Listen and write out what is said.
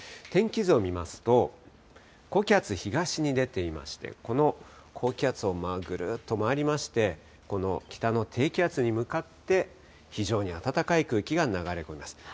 天気図を見ますと、高気圧、東に出ていまして、この高気圧をぐるっと回りまして、この北の低気圧に向かって、非常に暖かい空気が流れ込みます。